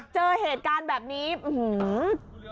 เจอเหตุการณ์แบบนี้อื้อหือ